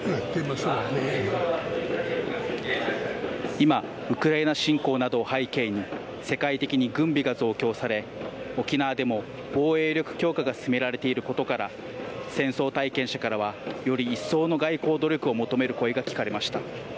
今ウクライナ侵攻などを背景に世界的に軍備が増強され沖縄でも防衛力強化が進められていることから戦争体験者からはよりいっそうの外交努力を求める声が聞かれました。